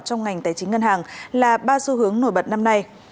trong ngành tài chính ngân hàng là ba xu hướng nổi bật năm nay